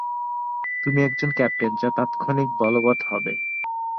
তুমি একজন ক্যাপ্টেন যা তাৎক্ষণিক বলবৎ হবে।